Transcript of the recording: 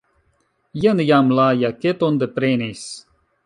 Jen jam la jaketon deprenis.